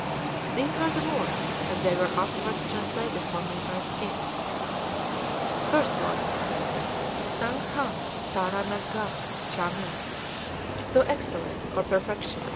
These were the words, as they were afterward translated for me by the king. First Voice. Sâng Khâng sârâ nang gâch' châ mi! (Thou Excellence, or Perfection!